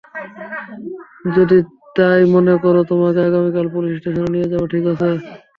যদি তাই মনে করো, তোমাকে আগামীকাল পুলিশ স্টেশনে নিয়ে যাবো, ঠিক আছে?